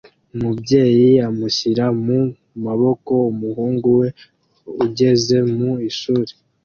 Umubyeyi amushyira mu maboko umuhungu we ugeze mu ishuri